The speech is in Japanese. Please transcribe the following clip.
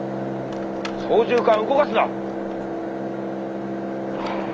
操縦かん動かすな！